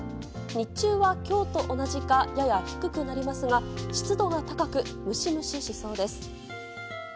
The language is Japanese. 日中は今日と同じかやや低くなりますが湿度が高くムシムシしそうです。